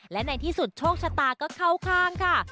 และในที่สุดโชคชะตาก็เข้าข้างค่ะ